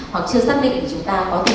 hoặc chưa xác định chúng ta có thể